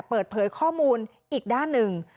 เปิดเผยข้อมูลอีกด้านหนึ่ง